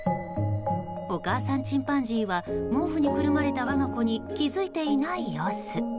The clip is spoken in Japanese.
お母さんチンパンジーは毛布にくるまれた我が子に気づいていない様子。